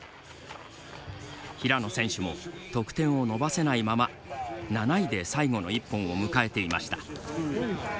平野選手も得点を伸ばせないまま７位で最後の一本を迎えていました。